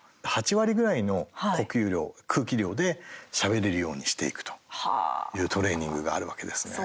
８割ぐらいの呼吸量、空気量でしゃべれるようにしていくというトレーニングがあるわけですね。